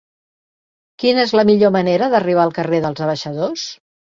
Quina és la millor manera d'arribar al carrer dels Abaixadors?